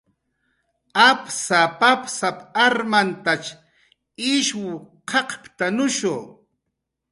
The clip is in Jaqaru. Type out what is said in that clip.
"Apsap"" apsap"" armantach ishw q'aqptanushu "